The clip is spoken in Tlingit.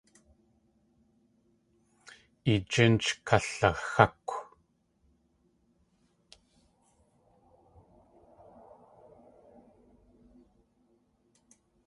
I jínch kalaxákw!